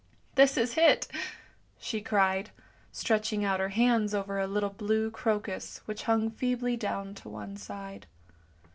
" This is it! " she cried, stretching out her hands over a little blue crocus which hung feebly down to one side.